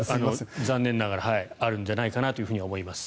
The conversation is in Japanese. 残念ながらあるんじゃないかなとは思います。